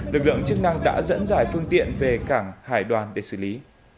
lực lượng chức năng đã dẫn giải phương tiện về cảng hải đoàn để xử lý